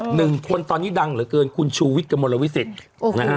หนึ่งคนตอนนี้ดังเหลือเกินคุณชูวิทย์กระมวลวิสิทธิ์นะฮะ